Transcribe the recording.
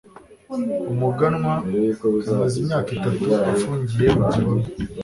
umuganwa amaze imyaka itatu afungiye mu gihome